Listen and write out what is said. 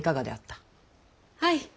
はい。